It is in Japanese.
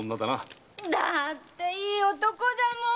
だってイイ男だもん！